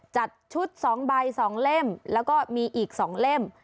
จัดชุด๒ใบ๒เล่มแล้วก็มีอีก๒เล่ม